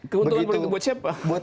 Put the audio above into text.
keuntungan politik buat siapa